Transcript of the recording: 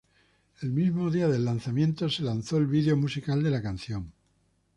El mismo día del lanzamiento, se lanzó el vídeo musical de la canción.